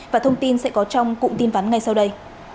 và thông tin sẽ có trong cụm tin vắn ngay sau đây